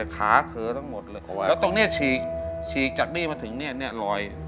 ขาเธอทั้งหมดเลยแล้วตรงเนี้ยฉีกฉีกจากนี่มาถึงเนี่ยเนี่ยรอย